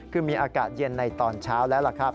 คือมีอากาศเย็นในตอนเช้าแล้วล่ะครับ